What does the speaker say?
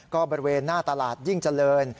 ก็บริเวณหน้าตลาดยิ่งเจริญ